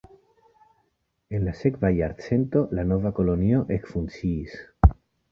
En la sekva jarcento la nova kolonio ekfunkciis.